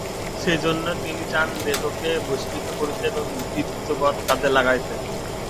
সেইজন্য তিনি চান দেহকে বশীভূত করিতে এবং ভৃত্যবৎ কাজে লাগাইতে।